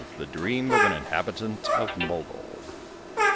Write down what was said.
THE DREAM OF AN INHABITANT OF MOGUL.